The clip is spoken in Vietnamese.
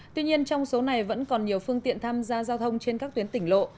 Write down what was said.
tuy nhiên trong số này vẫn còn nhiều phương tiện tham gia giao thông trên các tuyến tỉnh lộ